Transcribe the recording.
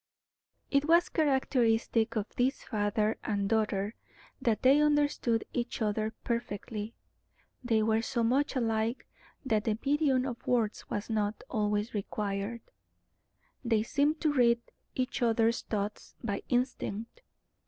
It was characteristic of this father and daughter that they understood each other perfectly; they were so much alike that the medium of words was not always required; they seemed to read each other's thoughts by instinct.